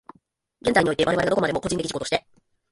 現在において、我々がどこまでも個人的自己として、